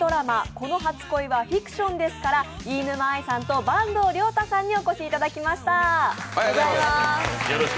この初恋はフィクションです」から飯沼愛さんと板東龍汰さんにお越しいただきました。